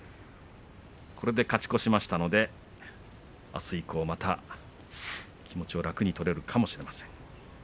これで勝ち越しましたのであす以降、気持ちを楽に取れるかもしれません。